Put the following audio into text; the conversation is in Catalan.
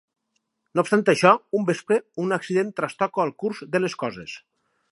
No obstant això, un vespre, un accident trastoca el curs de les coses.